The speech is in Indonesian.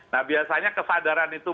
nah biasanya kesadaran itu